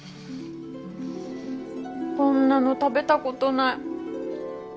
こんなの食べた事ない。